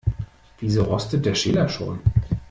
Wieso rostet der Schäler schon?